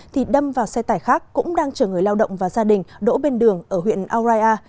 thì đâm vào xe tải khác cũng đang chở người lao động và gia đình đỗ bên đường ở huyện auraya